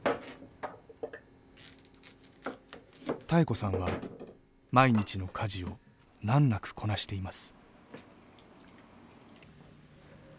妙子さんは毎日の家事を難なくこなしています。